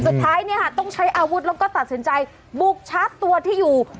สุดท้ายต้องใช้อาวุธแล้วก็ตัดสินใจบุคชัดตัวที่อยู่